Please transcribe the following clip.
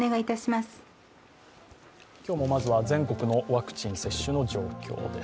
今日もまずは全国のワクチン接種の状況です。